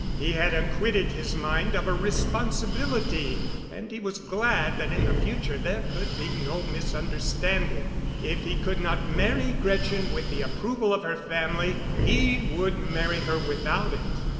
He had acquitted his mind of a responsibility, and he was glad that in the future there could be no misunderstanding. If he could not marry Gretchen with the approval of her family, he would marry her without it.